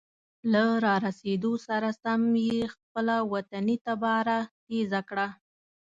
له را رسیدو سره سم یې خپله وطني تباره تیزه کړه.